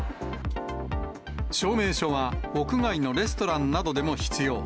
証明書は屋外のレストランなどでも必要。